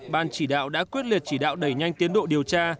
ban chỉ đạo đã quyết liệt chỉ đạo đẩy nhanh tiến độ điều tra